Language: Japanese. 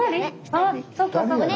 あそうかそうか。